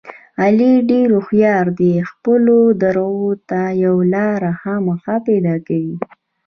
علي ډېر هوښیار دی خپلو درغو ته یوه لاره خامخا پیدا کوي.